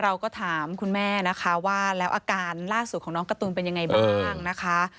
เราก็ถามคุณแม่นะคะว่าแล้วอาการล่าสุดของน้องการ์ตูนเป็นยังไงบ้างนะคะ